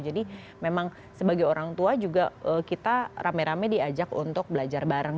jadi memang sebagai orang tua juga kita rame rame diajak untuk belajar bareng